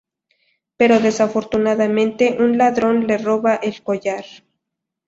Pero desafortunadamente un ladrón le roba el collar.